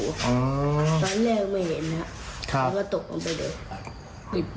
ตอนแรกไม่เห็นครับแล้วก็ตกลงไปเลย